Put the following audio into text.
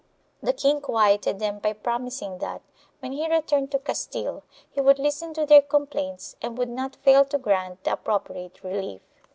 The king quieted them by promising that, when he returned to Castile, he would listen to their complaints and would not fail to grant the appropriate relief.